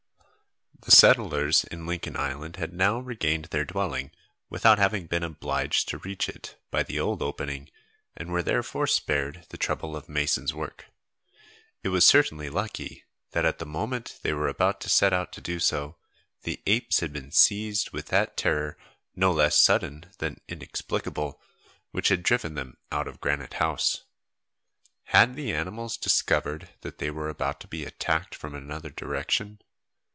The settlers in Lincoln Island had now regained their dwelling, without having been obliged to reach it by the old opening, and were therefore spared the trouble of mason's work. It was certainly lucky, that at the moment they were about to set out to do so, the apes had been seized with that terror, no less sudden than inexplicable, which had driven them out of Granite House. Had the animals discovered that they were about to be attacked from another direction?